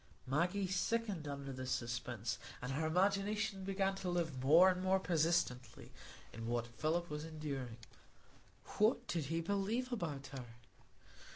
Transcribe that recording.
Maggie sickened under this suspense, and her imagination began to live more and more persistently in what Philip was enduring. What did he believe about her?